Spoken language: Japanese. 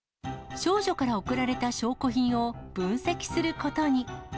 少女から送られた証拠品を分析することに。